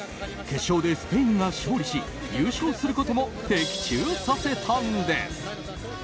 決勝でスペインが勝利し優勝することも的中させたんです。